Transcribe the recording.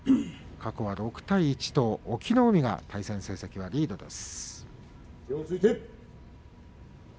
過去は６対１隠岐の海が対戦成績リードです。